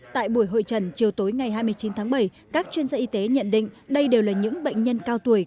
tại buổi hội trần chiều tối ngày hai mươi chín tháng bảy các chuyên gia y tế nhận định đây đều là những bệnh nhân cao tuổi